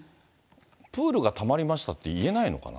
プールがたまりましたって言えないのかな。